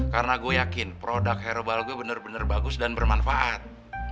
karena gue yakin produk herbal gue bener bener bagus dan bermanfaat